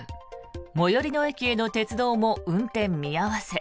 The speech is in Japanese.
最寄りの駅への鉄道も運転見合わせ。